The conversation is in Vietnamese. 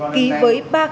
ký với ba khách sạn